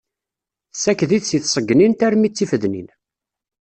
Tessaked-it seg tṣegnint armi d tifednin.